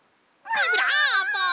ビブラーボ！